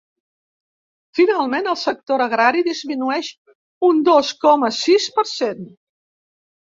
Finalment, el sector agrari disminueix un dos coma sis per cent.